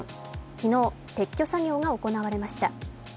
昨日、撤去作業が行われました。